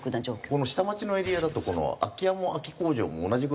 この下町のエリアだと空き家も空き工場も同じぐらい。